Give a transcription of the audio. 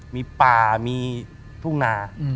มีป่ามีทุ่งนา